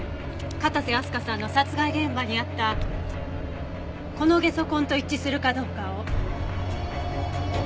片瀬明日香さんの殺害現場にあったこのゲソ痕と一致するかどうかを。